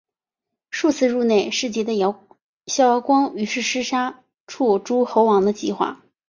数次入内侍疾的萧遥光于是施行杀戮诸侯王的计划。